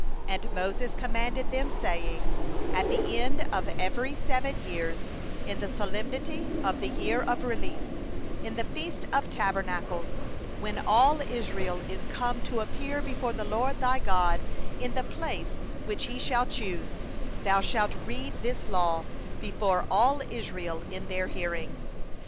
10And Moses commanded them, saying: 'At the end of every seven years, in the set time of the year of release, in the feast of tabernacles, 11when all Israel is come to appear before the LORD thy God in the place which He shall choose, thou shalt read this law before all Israel in their hearing.